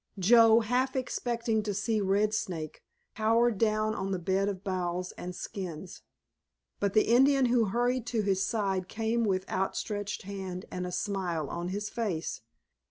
Joe, half expecting to see Red Snake, cowered down on the bed of boughs and skins. But the Indian who hurried to his side came with outstretched hand and a smile on his face.